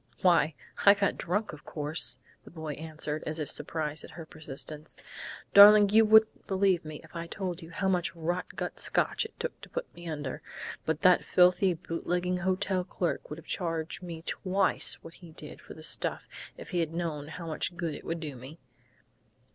"Why, I got drunk, of course," the boy answered, as if surprised at her persistence. "Darling, you wouldn't believe me if I told you how much rot gut Scotch it took to put me under, but that filthy bootlegging hotel clerk would have charged me twice what he did for the stuff if he had known how much good it would do me."